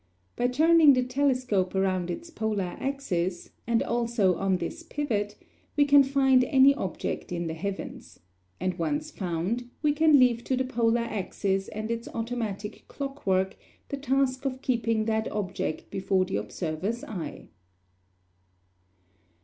By turning the telescope around its polar axis, and also on this pivot, we can find any object in the heavens; and once found, we can leave to the polar axis and its automatic clock work the task of keeping that object before the observer's eye.